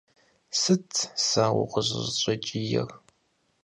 Сыт сэ укъыщӏысщӏэкӏиер?